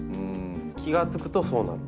気が付くとそうなる。